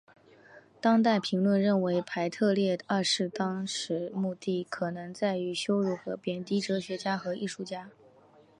当代评论认为腓特烈二世当时目的可能在于羞辱和贬低哲学家和艺术家。